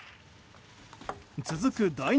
続く第２